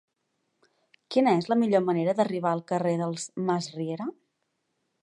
Quina és la millor manera d'arribar al carrer dels Masriera?